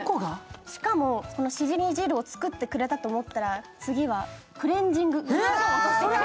しかもしじみ汁を作ってくれたと思ったら、次はクレンジング。